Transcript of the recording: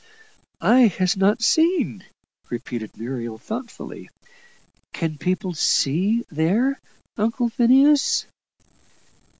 "Eye has not seen!" repeated Muriel, thoughtfully; "can people SEE there, Uncle Phineas?"